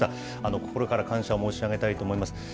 心から感謝を申し上げたいと思います。